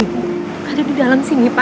ceritanya kurang jak convenience